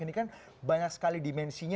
ini kan banyak sekali dimensinya